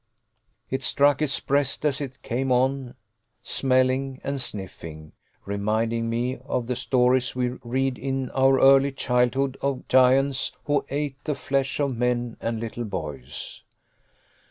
It struck its breast as it came on smelling and sniffing, reminding me of the stories we read in our early childhood of giants who ate the Flesh of men and little boys!